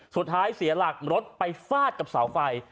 สุดท้ายเสียหลักรถไปฟาดกับเสาไฟ